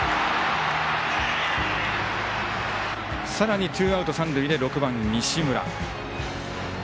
さらに、ツーアウト、三塁で６番、西村。